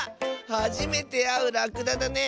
はじめてあうらくだだね！